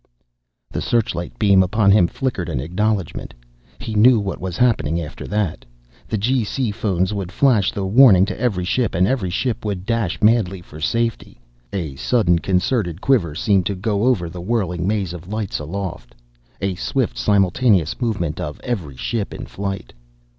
The searchlight beam upon him flickered an acknowledgment. He knew what was happening after that. The G.C. phones would flash the warning to every ship, and every ship would dash madly for safety.... A sudden, concerted quiver seemed to go over the whirling maze of lights aloft. A swift, simultaneous movement of every ship in flight.